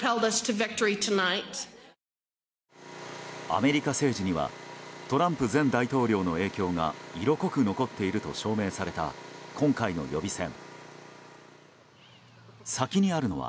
アメリカ政治にはトランプ前大統領の影響が色濃く残っていると証明された今回の予備選。